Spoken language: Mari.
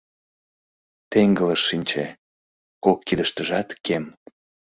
Теҥгылыш шинче, кок кидыштыжат кем.